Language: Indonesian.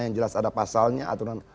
yang jelas ada pasalnya aturan